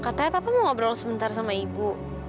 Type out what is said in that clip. katanya papa mau ngobrol sebentar sama ibu